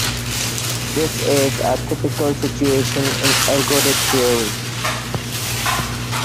This is a typical situation in ergodic theory.